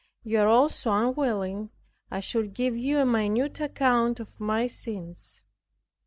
You are also unwilling I should give you a minute account of my sins.